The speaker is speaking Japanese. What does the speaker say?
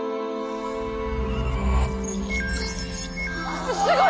すっすごい！